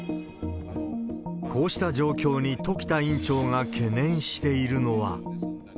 こうした状況に時田院長が懸念しているのは。